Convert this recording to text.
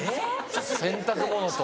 洗濯物と？